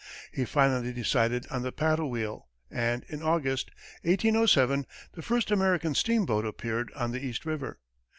He finally decided on the paddle wheel, and, in August, 1807, the first American steamboat appeared on the East River.